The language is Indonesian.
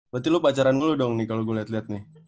berarti lo pacaran dulu dong nih kalau gue liat liat nih